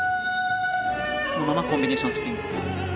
そのままコンビネーションスピン。